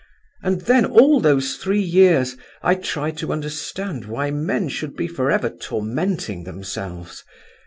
And then, all those three years, I tried to understand why men should be for ever tormenting themselves.